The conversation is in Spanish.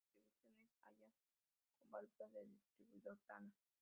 La distribución es Allan con válvula de distribuidor plana.